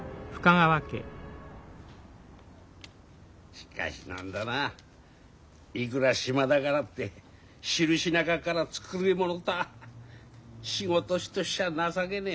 しかし何だないくら暇だからって昼日中から繕い物たあ仕事師としちゃ情けねえなあ。